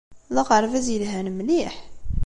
D aɣerbaz yelhan mliḥ.